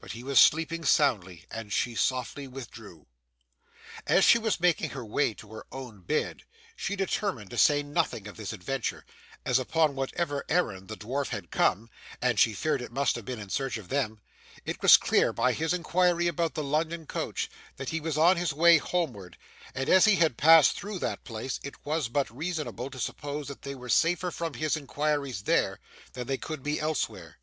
But he was sleeping soundly, and she softly withdrew. As she was making her way to her own bed, she determined to say nothing of this adventure, as upon whatever errand the dwarf had come (and she feared it must have been in search of them) it was clear by his inquiry about the London coach that he was on his way homeward, and as he had passed through that place, it was but reasonable to suppose that they were safer from his inquiries there, than they could be elsewhere.